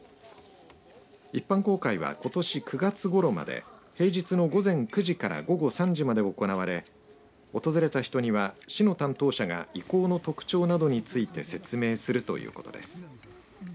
一般公開は、ことし９月ごろまで平日の午前９時から午後３時まで行われ訪れた人には、市の担当者が遺構の特徴などについて説明するということです。